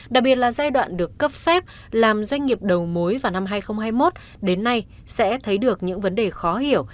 đặc biệt là giai đoạn được cấp phép làm doanh nghiệp đầu mối vào năm hai nghìn hai mươi một đến nay sẽ thấy được những vấn đề khó hiểu